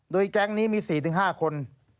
โดยแก๊งนี้มี๔๕คน